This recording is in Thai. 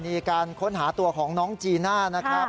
มีการค้นหาตัวของน้องจีน่านะครับ